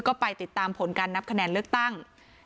ก็ไปติดตามผลการนับคะแนนเลือกตั้ง